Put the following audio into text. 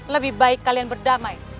lebih baik kalian berdamai